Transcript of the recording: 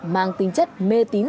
mang tính chất mê tín